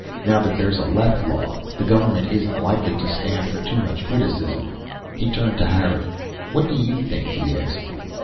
Now that there's a Leff Law, the government isn't likely to stand for too much criticism." He turned to Harry. "What do you think?" he asked.